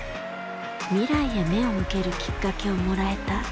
未来へ目を向けるきっかけをもらえたランでした。